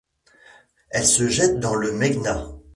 Elle se jette dans le Meghna.